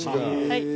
はい。